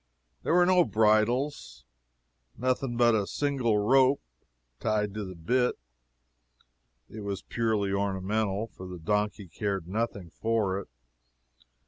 There were no bridles nothing but a single rope, tied to the bit. It was purely ornamental, for the donkey cared nothing for it.